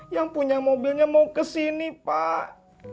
yang punya mobilnya mau kesini pak